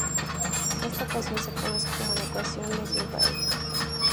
Esta ecuación se conoce como la ecuación de Liouville.